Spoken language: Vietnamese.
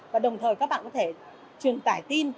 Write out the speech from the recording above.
và đồng thời các bạn có thể truyền tải tin